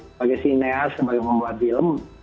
sebagai sineas sebagai pembuat film